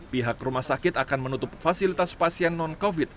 pihak rumah sakit akan menutup fasilitas pasien non covid